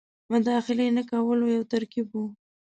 مداخلې نه کولو یو ترکیب وو.